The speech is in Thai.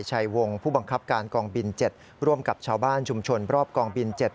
ชัยวงศ์ผู้บังคับการกองบิน๗ร่วมกับชาวบ้านชุมชนรอบกองบิน๗